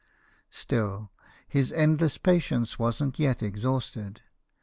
Still, his endless patience wasn't yet ex hausted.